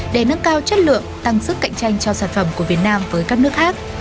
để nâng cao chất lượng tăng sức cạnh tranh cho sản phẩm của việt nam với các nước khác